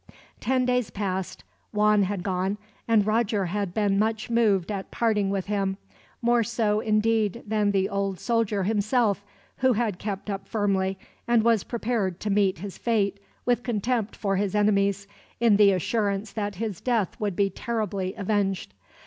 Ten days passed. Juan had gone, and Roger had been much moved at parting with him more so, indeed, than the old soldier himself, who had kept up firmly, and was prepared to meet his fate with contempt for his enemies, in the assurance that his death would be terribly avenged.